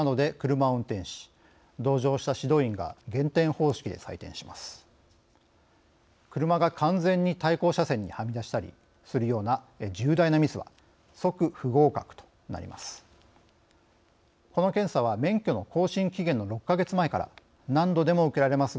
車が完全に対向車線にはみ出したりするような重大なミスは即、不合格となります。